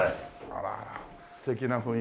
あらあら素敵な雰囲気。